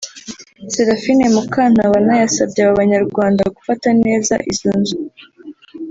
Seraphine Mukantabana yasabye aba banyarwanda gufata neza izo nzu